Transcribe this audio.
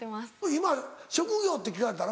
今職業って聞かれたら？